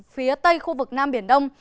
phía tây khu vực nam biển đông